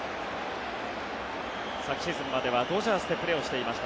昨シーズンまではドジャースでプレーしていました。